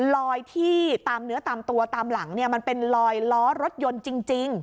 ลอยที่ตามเนื้อตามตัวตามหลังมันเป็นลอยล้อรถยนต์จริง